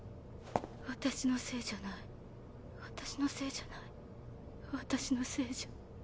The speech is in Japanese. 私のせいじゃない私のせいじゃない私のせいじゃうぅ。